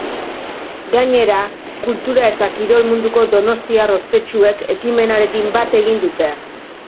Gainera, kultura eta kirol munduko donostiar ospetsuek ekimenarekin bat egin dute.